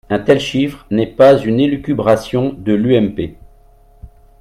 Un tel chiffre n’est pas une élucubration de l’UMP.